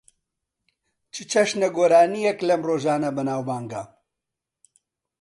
چ چەشنە گۆرانییەک لەم ڕۆژانە بەناوبانگە؟